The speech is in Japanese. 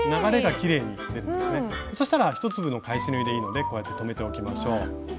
そしたら１粒の返し縫いでいいのでこうやって留めておきましょう。